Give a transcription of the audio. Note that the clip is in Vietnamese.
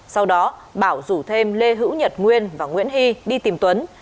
sau đó bảo rủ thêm lê hữu nhật nguyên và nguyễn hy đi tìm tuấn